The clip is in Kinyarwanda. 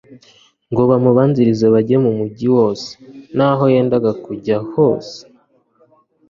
ngo bamubanzirize bajye mu mujyi wose n'aho yendaga kujya hose.»